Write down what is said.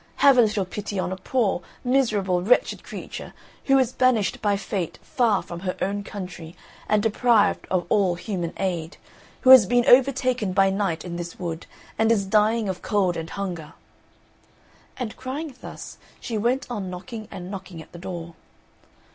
Have a little pity on a poor, miserable, wretched creature who is banished by fate far from her own country and deprived of all human aid, who has been overtaken by night in this wood and is dying of cold and hunger." And crying thus, she went on knocking and knocking at the door.